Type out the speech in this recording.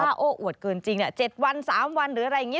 ยอมรับว่าการตรวจสอบเพียงเลขอยไม่สามารถทราบได้ว่าเป็นผลิตภัณฑ์ปลอม